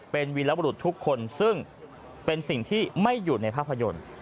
เป็นวีรบรุษทุกคนซึ่งเป็นสิ่งที่ไม่อยู่ในภาพยนตร์